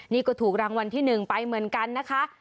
นี่ก็ถูกรางวัลที่๑ไปเหมือนกันนะคะ